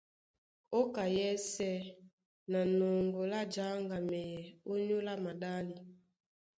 Ó ka yɛ́sɛ̄ na nɔŋgɔ lá jáŋgamɛyɛ ónyólá maɗále,